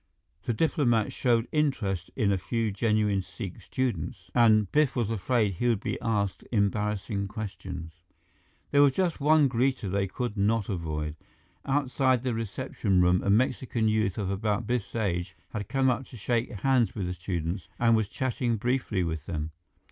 The diplomats showed interest in a few genuine Sikh students, and Biff was afraid he would be asked embarrassing questions. There was just one greeter they could not avoid. Outside the reception room, a Mexican youth of about Biff's age had come up to shake hands with the students and was chatting briefly with them.